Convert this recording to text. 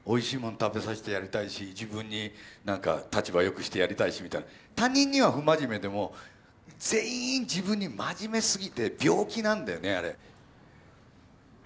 食べさせてやりたいし自分になんか立場良くしてやりたいしみたいな他人には不真面目でも全員自分に真面目すぎて病気なんだよねあれ。